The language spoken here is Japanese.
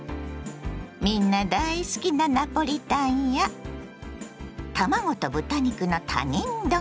みんな大好きなナポリタンや卵と豚肉の他人丼。